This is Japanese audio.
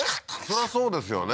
そりゃそうですよね